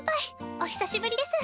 お久しぶりです。